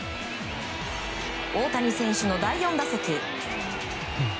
大谷選手の第４打席。